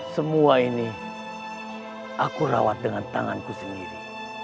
semua ini aku rawat dengan tanganku sendiri